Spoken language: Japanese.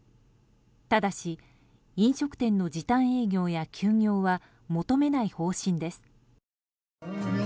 ただし、飲食店の時短営業や休業は求めない方針です。